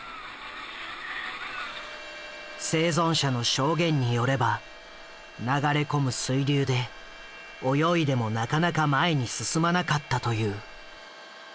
生存者の証言によれば流れ込む水流で泳いでもなかなか前に進まなかったという。